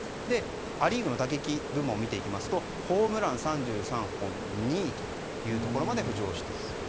ア・リーグの打撃部門を見ていきますとホームラン３３本２位というところまで浮上してきている。